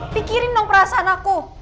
pikirin dong perasaan aku